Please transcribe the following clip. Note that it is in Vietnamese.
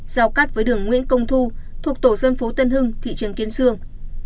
giao cắt với đường nguyễn công thu thuộc tổ dân phố tân hưng thị trường kiến sương